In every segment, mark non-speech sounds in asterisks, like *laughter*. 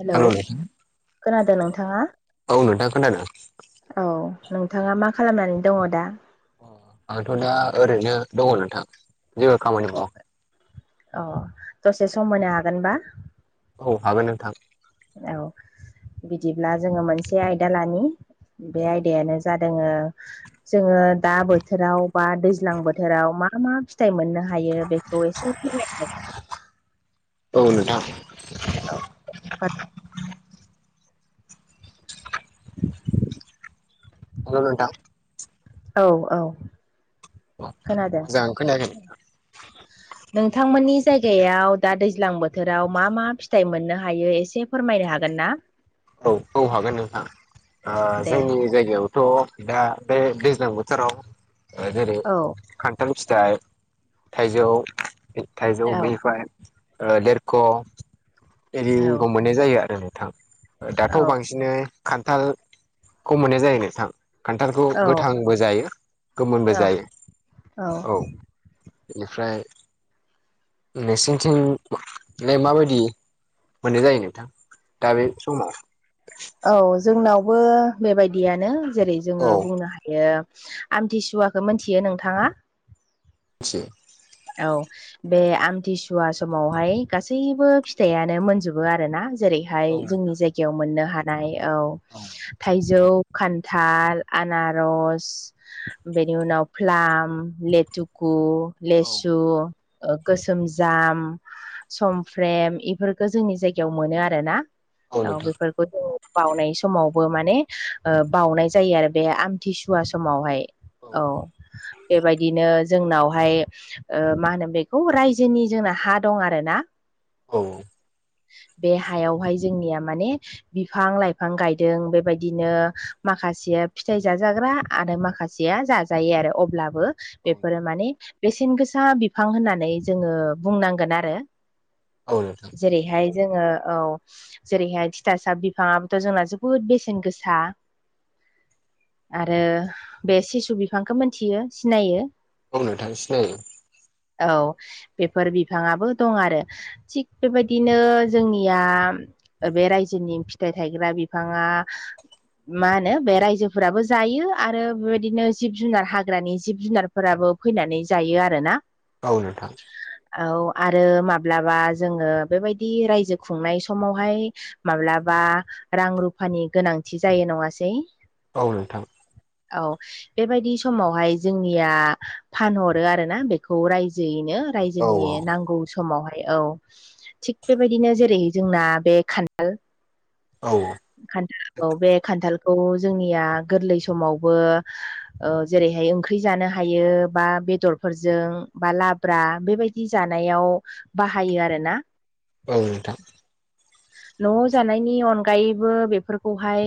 Hello hello नोंथां खोनादो नोंथाङा औ नोंथां खोनादों औ नोंथाङा मा खालामनानै दङ दा आंथ दा ओरैनो दङ नोंथां जेबो खामानि अ मावाखै अ दसे सम होनो हागोनबा औ हागोन नोंथां औ बिदिब्ला जोङो मोनसे आयदा लानि बे औ आयदायानो जा जोङो जोङो दा बोथोराव बा दैज्लां बोथोराव मा मा फि थाइ मोननो हायो बेखौ एसे फोरमाय औ नोंथां *inaudible* हेलौ नोंथां औ औ खोनादों मोजां खोनायाखै नोंथांमोननि जायगायाव दा दैज्लां बोथ थोराव मा मा फिथाइ मोननो हायो एसे फोरमायनो हागोना औ औ हागोन नोंथां आ दे जोंनि जायगायावथ' दा बे दैज्लां बोथोराव ओ जेरै औ खान्थाल फिथाइ थाइजौ थाइजौ औ बेनिफ्राय लेरख औ एरिखौ मोननाय जायो आरो नोंथां औ दाथ बांसिनै खान्थाल खौ मोननाय जायो नोंथां खान्थालखौ औ गोथांबो जायो गोमोनबो औ जायो औ बेनिफ्राय नोंसिनिथिं बे माबायदि मोननाय जायो नोंथां दा बे समाव औ जोंनावबो बेबायदियानो जेरै औ जोङो बुंनो हा बेयो आमथिसुवाखो मिथियो नोंथाङा *inaudible* औ बे आमथिसुवा समावहाय गासैबो फिथाइयानो मोनजोबो आरोना जेरैहाय औ जोंनि नोंथां जायगायाव मोननो हानाय औ थाइजौ खान्थाल आनारस बेनि उनाव फ्लाम लेटुकु लेस सु गोसोम जाम समफ्रेम इफोरखो जोंनि जायगायाव मोनो आरोना औ बेफोर बाउनाय समावबो माने बाउनाय जायो आरो बे आमथिसुवा समावहाय औ बेबायदिनो जोंनावहाय ओ मा होनो बेखौ रायजोनि जोंना हा दं आरोना औ बे हायावहाय जोंनिया माने बिफां लाइफां गायदों बेबायदिनो माखासेआ फिथाइ जाजाग्रा आरो माखा जेया जाजायो आरो अब्लाबो बेफोरो औ माने बेसेन गोस सा फिसा बिफां होननानै जोङो बुंनांगोन आरो औ नोंथां जेरैहाय जोङो औ जेरैहाय थिथासा बिफाङाबोथ' जोंना जोबोद बेसेन गोसा, आरो बे सिसु बिफांखौ मिथियो सिनायो। औ नोंथां सिनायो। औ बेफोर बिफाङाआबो दं आरो थिग बेबायदिनो जोंनिया बे रायजोनि फिथाइ थायग्रा बिफाङा, मा होनो बे रायजोफोराबो जायो आरो बेबायदिनो जिब जुनार हाग्रानि जिब जुनार, फोराबो फैनानै जायो आरोना? औ नोथां औ आरो माब्लाबा जोङो बेबायदि रायजो खुंनाय समावहाय, माब्लाबा रां रुफानि गोनांथि जायो नङासै, औ नोंथां, औ बेबायदि समावहाय जोंनिया फानहरो आरो बेखौ रायजोयैनो औ रायजोनि नांगौ, समावहाय औ थिग बेबायदिनो जेरै जोंना बे खान्दाल औ खान्थालखौ बे खान्थालखौ जोंनिया गोरलै समावबो, ओ जेरैहाय ओंख्रि जानो हायो बा बेदर, फोरजों बा लाब्रा बेबायदि जानायाव बाहायो आरो ना? औ नोंथां न'आव जानायनि अनगायैबो बेफोरखौहाय,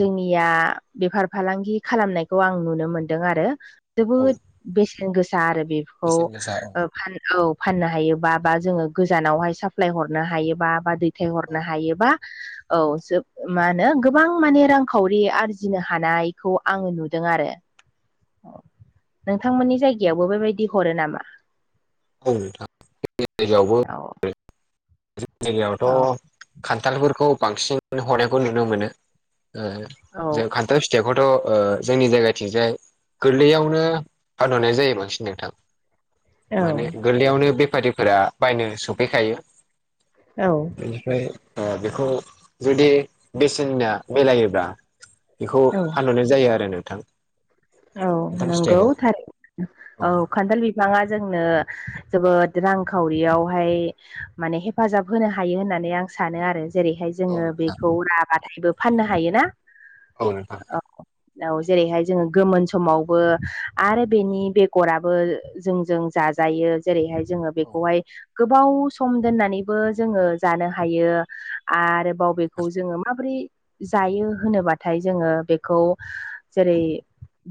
जोंनिया बेफार फालांगि खालामनायखौ आं नुनो मोनदों आरो औ जोबोद बेसेन गोसा आरो बे बेसेन गोसा औ औ फाननो हायोबा बा जोङो गोजानावहाय साप्लााय हरनो हायोबा बा दै, फाथाय औ हरनो हायोबा औ जोब मा होनो गोबां माने रांखावरि आरजिनो हानायखौ आङो नुदों आरो नोंथांमोननि जायगायावबो बेबायदि हरो नामा? औ नोंथां जोंनि जायगायावबो औ हरो जोंनि औ जायगायावथ' खान्थालफोरखौ बांसिन हरनायखौ नुनो मोनो, ओ औ जों खान्थाल फिथाइखौथ' ओ जोंनि जायगाथिंजाय गोरलैयावनो फानहरनाय जायो। बांसिन नोंथां, औ माने गोरलैयावनो बेफारिफोरा बायनो सोंफैखायो। औ बेनिफ्राय बेखौ जुदि बेसेनया मिलायोब्ला, बेखौ औ फानहरनाय जायो। आरो नोंथां, औ नोंथां नंगौ फिथाइखौ थार औ खान्थाल बिफाङा जोंनो जोबोद रांखावरियावहाय, माने हेफाजाब होनो हायो होननानै आं सानो आरो जेरैहाय औ जोङो बेखौ राबाथायबो फाननो हायोना? औ नोंथां, औ औ जेरैहाय जोङो, गोमोन समावबो आरो बेनि बेगराबो जोंजों जाजायो जेरैहाय जोङो औ बेखौहाय गोबाव सम दोननानैबो जोङो जानो हायो आरोबाव बेखौ जोङो माबोरै जायो होनोबाथाय जोङो बेखौ जेरै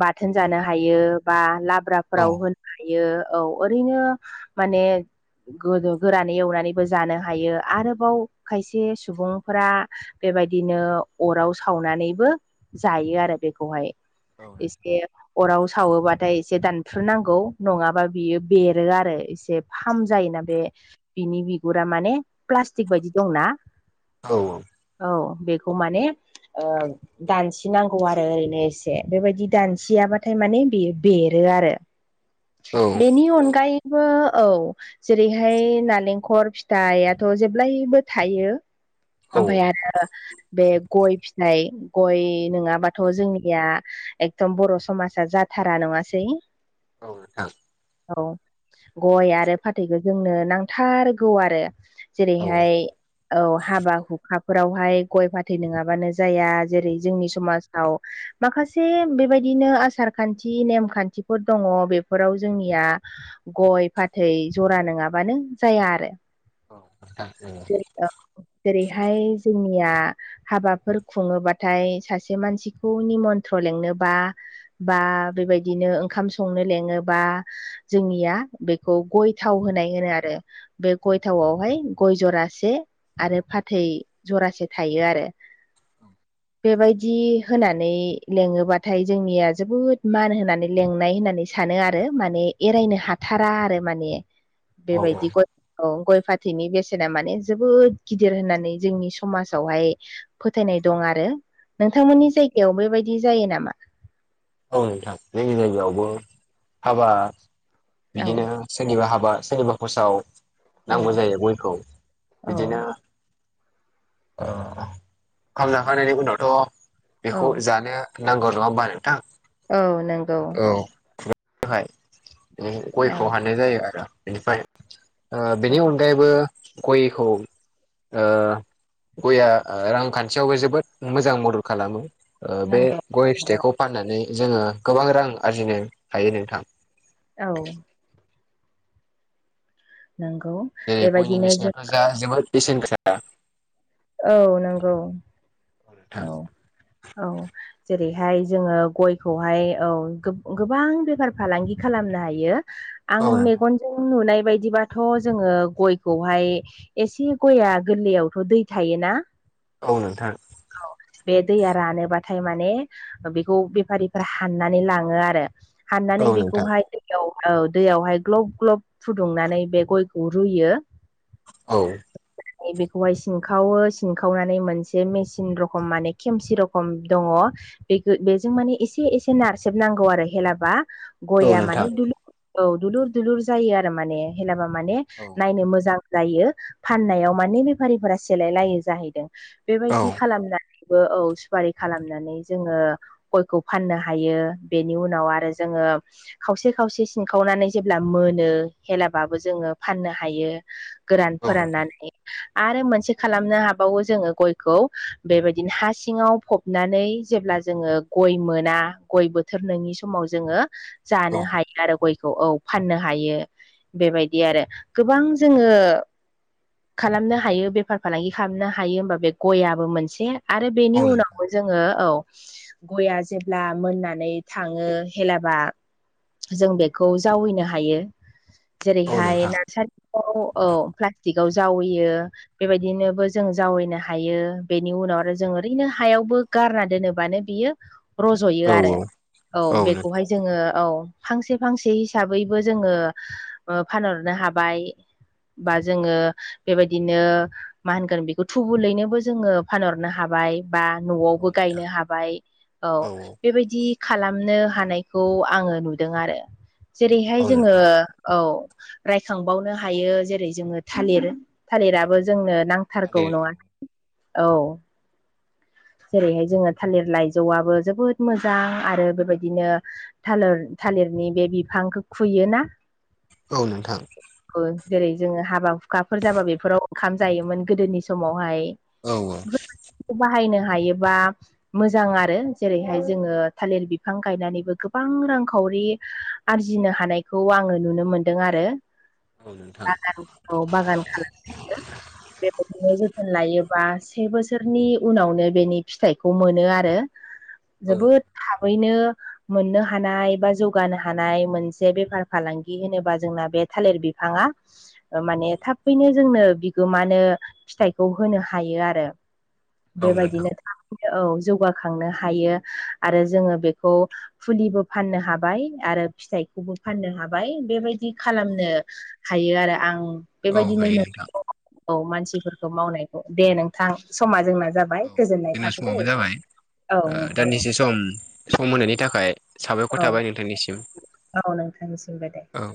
बाथोन जानो हायो बा नोंथां औ लाब्राफोराव होनो हायो। औ ओरैनो माने, गोदो गोरानै एवनानैबो जानो हायो आरोबाव खायसे सुबुंफोरा, बेबायदिनो अराव सावनानैबो जायो आरो बेखौहाय, औ नोंथां बे अराव सावोबाथाय एसे दानफ्रुुनांगौ नङाबा बियो बेरो आरो एसे फाम जायोना बे बिनि बिगुरा माने प्लास्टिक बायदि दंना औ औ औ बेखौ माने ओ दानसिनांगौ आरो ओरैनो एसे बेबायदि दानसियाबाथाय माने बेयो बेरो आरो औ बेनि अनगायै औ जेरैहाय नालेंखर फिथाइआथ' जेब्लायबो थायो ओमफ्राय आरो बे गय फिथाइ गय नङाबाथ' जोंनिया एखदम बर' समाजा जाथारा नङासै औ नोंथां औ गय आरो फाथैखौ जोंनो नांथारगौ आरो जेरैहाय औ हाबा हुखाफोरावहाय गय फाथै नङाबानो जाया जेरै जोंनि समाजाव माखासे एसे बेबायदिनो आसार खान्थि नेमखान्थिफोर दङ बेफोराव जोंनिया गय फाथै जरा नङाबानो जाया आरो औ जेरैहाय जोंनिया हाबाफोर खुङोबाथाय सासे मानसिखौ निमन्त्र लेंनोबा बा बेबायदिनो ओंखाम संनो लेङोबा जोंनिया बे खौ गय थाव होनाय होनो आरो बे गय थावआवहाय गय जरासे आरो फाथै जरासे थायो आरो बेबायदि होनानै लेङोबाथाय जोंनिया जोबोद मान होनानै लेंनाय होननानै सानो आरो माने एरायनो हाथारा आरो माने बेबायदि गय औ गय फाथैनि बेसे जोंना माने जोबोद गिदिर होननानै जोंनि समाजावहाय फोथायनाय दं आरो नोंथांमोननि जायगायाव बेबायदि जायो नामा औ नोंथां जोंनि जायगायावबो हाबा औ बिदिनो सोरनिबा हाबा सोरनिबा बसाव औ नांगौ जायो गयखौ औ बिदिनो ओंखाम जाखांनायनि उनावथ' औ बेखौ जानो नांगौ नङा होनबा नोंथां। औ नंगौ औहाय औ गयखौ हानाय जायो आरो बेनिफ्राय बेनि औ अनगायैबो गयखौ ओ गया रांखान्थियावबो जोबोद मोजां मदद खालामो। बे नंगौ गय फिथाइखौ फाननानै जोङो गोबां रां आरजिनो हायो नोंथां औ नोंगौ जेरै गयनि बेसेनाथ' जा जोबोद बेसेन गोसा औ नंगौ औ औ जेरैहाय जोङो गयखौहाय औ गोबां बेफार फालांगि खालामनो हायो आं औ नोंथां मेगन जों नुनाय बायदिबाथ' जोङो गखौहाय एसे गया गोरलैयावथ' दै थायोना औ नोंथां। औ बे दैया रानोबाथाय माने बेखौ बेफारिफोरा हाननानै लाङो आरो औ हाननानै नोंथां बेखौहाय दैयाव औ दैयावहाय ग्लब ग्लब फुदुंनानै बे गयखौ रुयो औ बेखौहाय सिनखावो सिनखावनानै मोनसे मेसिन रखम माने खेमसि रखम दङ। बे बेजों माने एसे एसे नारसेबनांगौ आरो हेलाबा गया नोंथां माने दुलुर औ दुलुर दुलुर जायो आरो माने हेलाबा माने औ नायनो मोजां जायो फाननायाव मानि बेफारिफोरा सेलाय लायो जाहैदों औ बेबायदि खालामनानै बो औ सुपारि खालामनानै जोङो गयखौ फाननो हायो बेनि उनाव आरो जोङो खावसे खावसे सिंखावनानै जेब्ला मोनो हेलाबाबो जोङो फाननो हायो। गोरान नोंथां फोराननानै आरो मोनसे खालामनो हाबावो जोङो गयखौ बेबायदिनो हा सिङाव फबनानै जेब्ला जोङो गय मोना गय बोथोर नोंनि समाव जोङो औ जानो हायो आरो गय खौ औ फाननो हायो बेबायदि आरो गोबां जोङो खालामनो हायो बेफार फालांगि खालामनो हायो होमबा बे गयाबो मोनसे आरो औ नोंथां औ बेनि नोंथां उनाव जोङो औ गया जेब्ला मोननानै थाङो हेलाबा जों बेखौ जावैनो हायो। औ जेरैहाय नोंथां नार्सारियाव औ प्लास्टिकआव जावैयो बेबायदिनोबो जों जावैनो हायो बेनि उनाव आरो जों ओरैनो हायावबो गारना दोनोबानो बियो रज'यो औ आरो औ औ बेखौहाय जोङो औ फांसे फांसे हिसाबैबो जोङो ओ फानहरनो हाबाय। बा जोङो बेबायदिनो मा होनगोन बेखौ थुबुलैनोबो जोङो फानहरनो हाबाय। बा औ न'आवबो नोंथां गायनो हाबाय औ। बेबायदि खालामनो हानायखौ आङो नुदों आरो जेरैहाय औ जोङो नोंथां औ रायखांबावनो हायो जेरै जोङो थालिर थालिराबो जोंनो नां थारगौ थालिर औ नङा औ। जेरैहाय जोङो थालिर लाइजौआबो जोबोद मोजां आरो बेबायदिनो थालिर थालिरनि बे बिफांखौ खुयोना? औ नोंथां। जेरै जोङो हाबा हुखाफोर जाबा बेफोराव ओंखाम जायोमोन गोदोनि समावहाय। औ औ बाहायनो हायोबा मोजां आरो जेरैहाय जोङो थालिर बिफां गायनानैबो गोबां रांखावरि आरजिनो हानायखौ आङो नुनो मोनदों आरो औ नोंथां बागान औ बागान खालाम *unintelligible* बेबायदिनो जोथोन लायोबा से बोसोरनि उनावनो बेनि फिथाइखौ मोनो आरो। औ जोबोद थाबैनो मोननो हानाय बा जौगानो हानाय मोनसे बेफार फालांगि होनोबा जोंना बे थालिर बिफाङा माने थाबैनो जोंनो बिगोमानो फिथाइखौ होनो हायो आरो। औ नोंथां बेबायदिनो थाबैनो औ जौगाखांनो हायो आरो जोङो बेखौ फुलिबो फाननो हाबाय आरो फिथाइखौबो फाननो हाबाय बेबायदि औ खालामनो हायो आरो आं औ बेबायदिनो हायो न' नोंथां औ मानसिफोरखौ मावनायखौ दे नोंथां समा जोंना जाबाय। औ गोजोननाय जोंना थाबाय दै समाबो जाबाय औ नोंथां औ दान्दिसे सम सम होनायनि थाखाय साबायख औ थाबाय नोंथांनिसिम। औ नोंथांनिसिमबो दे औ